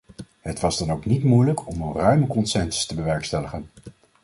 Het was dan ook niet moeilijk om een ruime consensus te bewerkstelligen.